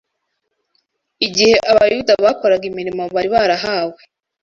igihe Abayuda bakoraga imirimo bari barahawe